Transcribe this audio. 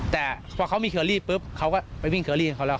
แต่พอเขามีเคอรี่ปุ๊บเขาก็ไปวิ่งเคอรี่ให้เขาแล้ว